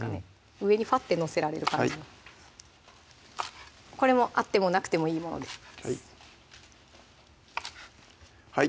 上にファッて載せられる感じにこれもあってもなくてもいいものですはい